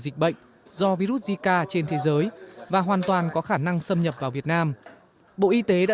dịch bệnh do virus zika trên thế giới và hoàn toàn có khả năng xâm nhập vào việt nam bộ y tế đã